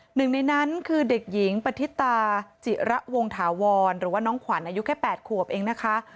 หนึ่งในนั้นคือเด็กหญิงปฏิตาจิระวงถาวรหรือว่าน้องขวัญอายุแค่๘ขวบเองนะคะ